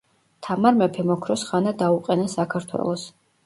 თამარ მეფემ ოქროს ხანა დაუყენა საქართველოს